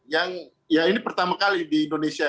yang ya ini pertama kali di indonesia